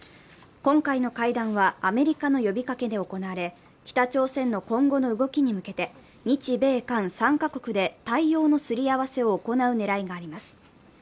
今回の会談はアメリカの呼びかけで行われ、北朝鮮の今後の動きに向けて日米韓３カ国で対応のすり合わせを行う狙いがあります。